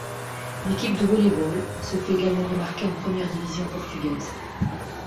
L'équipe de volley-ball se fait également remarquer en première division portugaise.